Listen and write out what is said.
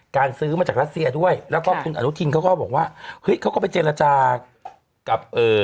ซื้อมาจากรัสเซียด้วยแล้วก็คุณอนุทินเขาก็บอกว่าเฮ้ยเขาก็ไปเจรจากับเอ่อ